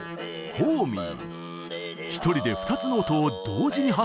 初ホーミー